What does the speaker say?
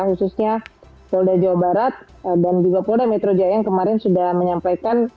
khususnya polda jawa barat dan juga polda metro jaya yang kemarin sudah menyampaikan